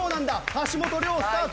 橋本涼スタート。